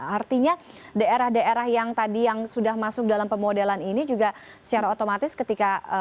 artinya daerah daerah yang tadi yang sudah masuk dalam pemodelan ini juga secara otomatis ketika